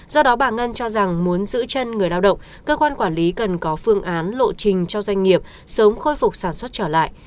do đó bà ngân cho rằng muốn giữ chân người lao động cơ quan quản lý cần có phương án lộ trình cho doanh nghiệp sớm khôi phục sản xuất trở lại